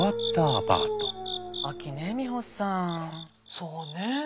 そうね。